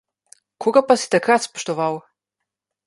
Koga pa si takrat spoštoval?